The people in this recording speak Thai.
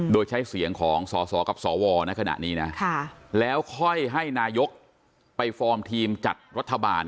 โดยใช้เสียงของสสกับสวในขณะนี้นะแล้วค่อยให้นายกไปฟอร์มทีมจัดรัฐบาล